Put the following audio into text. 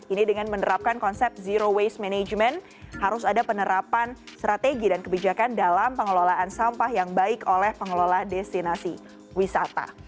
ini dengan menerapkan konsep zero waste management harus ada penerapan strategi dan kebijakan dalam pengelolaan sampah yang baik oleh pengelola destinasi wisata